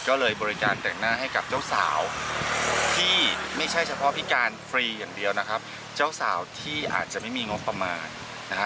ก็เลยบริการแต่งหน้าให้กับเจ้าสาวที่ไม่ใช่เฉพาะพิการฟรีอย่างเดียวนะครับเจ้าสาวที่อาจจะไม่มีงบประมาณนะฮะ